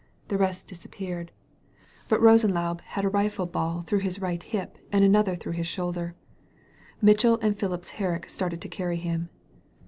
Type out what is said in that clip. The rest disappeared. But Rosenlaube had a rifle baU through his right hip and another through his shoulder. Mitchell and Phipps Herriek started to carry him.